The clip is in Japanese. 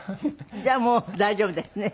じゃあもう大丈夫ですね。